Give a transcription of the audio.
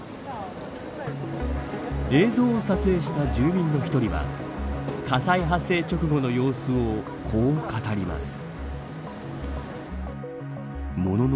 映像を撮影した住民の１人は火災発生直後の様子をこう語ります。